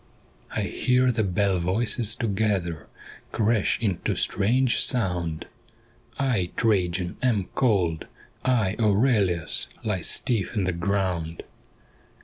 1 hear the bell voices together Crash into strange sound —' I, Trajan, am cold '; I, Aurelius, Lie stiff in the ground.'